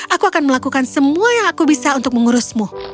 aku akan melakukan semua yang aku bisa untuk mengurusmu